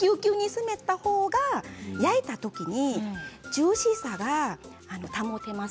そのほうが焼いたときにジューシーさが保てます。